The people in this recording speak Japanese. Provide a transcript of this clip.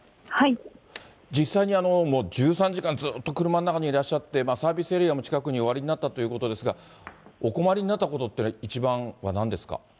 実際にもう１３時間ずっと車の中にいらっしゃって、サービスエリアも近くにおありになったということですが、お困りになったことっていうのは一番はなんですか。